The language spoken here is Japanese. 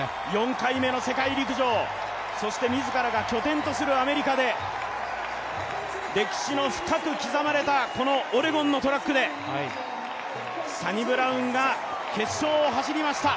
４回目の世界陸上、そして自らが拠点とするアメリカで歴史の深く刻まれたこのオレゴンのトラックでサニブラウンが決勝を走りました。